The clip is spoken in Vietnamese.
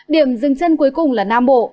điểm dừng chân cuối cùng là nam bộ